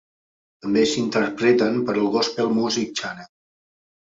També s'interpreten pel Gospel Music Channel.